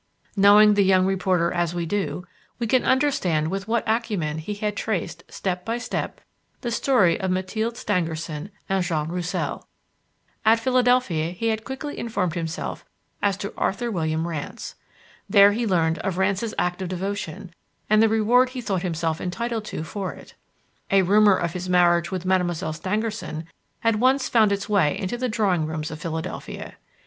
Knowing the young reporter as we do, we can understand with what acumen he had traced, step by step, the story of Mathilde Stangerson and Jean Roussel. At Philadelphia he had quickly informed himself as to Arthur William Rance. There he learned of Rance's act of devotion and the reward he thought himself entitled to for it. A rumour of his marriage with Mademoiselle Stangerson had once found its way into the drawing rooms of Philadelphia.